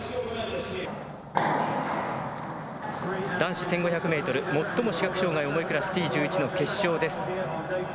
男子１５００メートル、最も視覚障害重いクラス、Ｔ１１の決勝です。